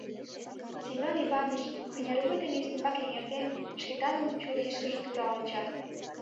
Семён Иваныч, кынервуй дене ӱстембак эҥертен, Шкетанын чурийышкыже тура онча.